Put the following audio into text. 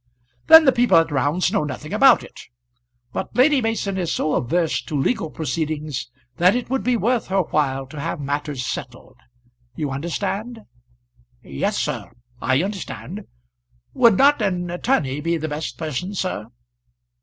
"Then the people at Round's know nothing about it. But Lady Mason is so averse to legal proceedings that it would be worth her while to have matters settled. You understand?" "Yes, sir; I understand. Would not an attorney be the best person, sir?"